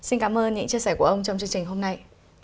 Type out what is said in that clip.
xin cảm ơn những chia sẻ của ông trong chương trình hôm nay